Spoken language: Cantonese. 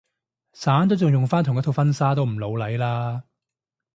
散咗仲用返同一套婚紗都唔老嚟啦